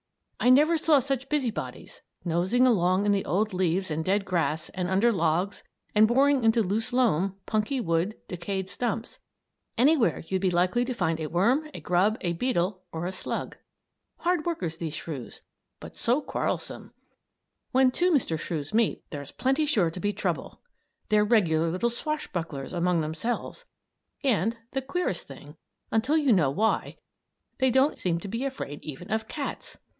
I never saw such busy bodies; nosing about in the old leaves and dead grass and under logs and boring into loose loam, punky wood, decayed stumps anywhere you'd be likely to find a worm, a grub, a beetle, or a slug. Hard workers, these shrews, but so quarrelsome! When two Mr. Shrews meet there's pretty sure to be trouble. They're regular little swashbucklers among themselves; and the queerest thing, until you know why they don't seem to be afraid even of cats.